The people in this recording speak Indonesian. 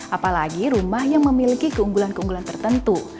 apalagi rumah yang memiliki keunggulan keunggulan tertentu